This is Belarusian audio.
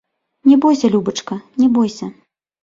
Не бойся, любачка, не бойся!